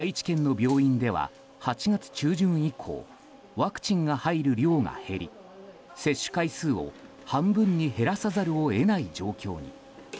愛知県の病院では８月中旬以降ワクチンが入る量が減り接種回数を半分に減らさざるを得ない状況に。